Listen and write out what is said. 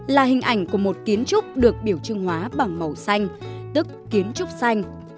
là hình ảnh của một kiến trúc được biểu trưng hóa bằng màu xanh tức kiến trúc xanh